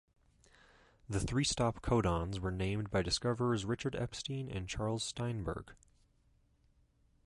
The three stop codons were named by discoverers Richard Epstein and Charles Steinberg.